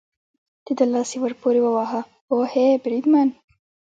د ده لاس یې ور پورې وواهه، اوهې، بریدمن.